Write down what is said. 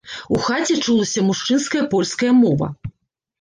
У хаце чулася мужчынская польская мова.